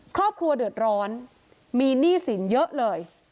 ครอบครัวเดือดร้อนมีหนี้สินเยอะเลย